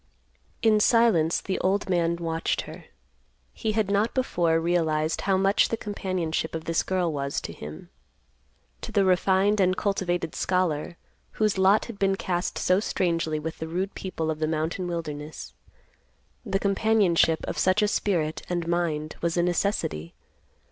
In silence the old man watched her. He had not before realized how much the companionship of this girl was to him. To the refined and cultivated scholar, whose lot had been cast so strangely with the rude people of the mountain wilderness, the companionship of such a spirit and mind was a necessity.